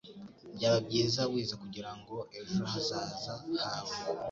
Byaba byiza wize kugirango ejo hazaza hawe.